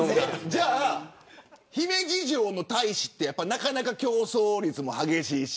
じゃあ、姫路城の大使はなかなか競争率も激しいし。